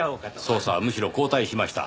捜査はむしろ後退しました。